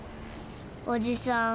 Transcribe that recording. おじさん